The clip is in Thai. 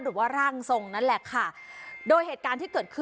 หรือว่าร่างทรงนั่นแหละค่ะโดยเหตุการณ์ที่เกิดขึ้น